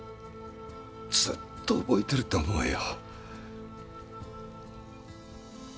ずっと覚えてると思うよ。